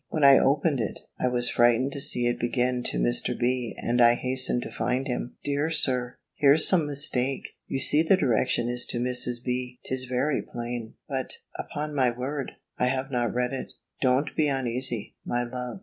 When I opened it, I was frightened to see it begin to Mr. B. and I hastened to find him "Dear Sir Here's some mistake You see the direction is to Mrs. B. 'Tis very plain But, upon my word, I have not read it." "Don't be uneasy, my love.